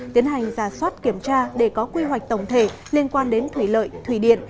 tiến hành giả soát kiểm tra để có quy hoạch tổng thể liên quan đến thủy lợi thủy điện